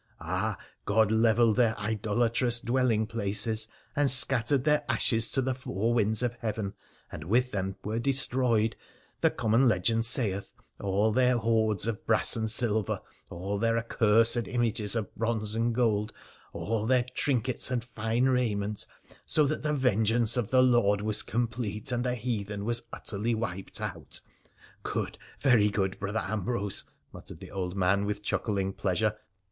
Ah I God levelled their idolatrous diuelling places and scattered their ashes to the four winds of heaven, and with them tvere destroyed — the common legend sayeth — all their hoards of brass and silver, all their accursed images of bronze and gold, all their trinkets and fine raiment, so that the ven geance of the Lord was complete, and the heathen was utterly wiped out." '_' Good, very good, Brother Ambrose,' muttered the old man with chuckling pleasure.